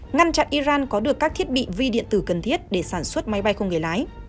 ngăn chặn iran có được các thiết bị vi điện tử cần thiết để sản xuất máy bay không người lái